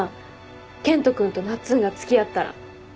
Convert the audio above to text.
健人君となっつんが付き合ったら。